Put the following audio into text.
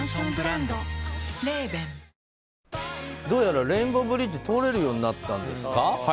どうやらレインボーブリッジ通れるようになったんですか。